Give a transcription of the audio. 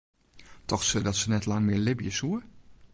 Tocht se dat se net lang mear libje soe?